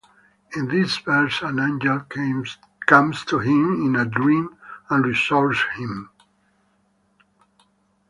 In this verse an angel comes to him in a dream and reassures him.